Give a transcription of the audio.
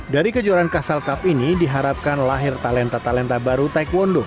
dari kejuaraan castle cup ini diharapkan lahir talenta talenta baru taekwondo